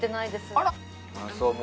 あら。